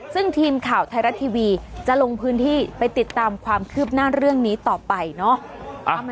ซึ่งทีมข่าวไทยรัฐทีวีจะลงพื้นที่ไปติดตามความคืบหน้าเรื่องนี้ต่อไปเนาะ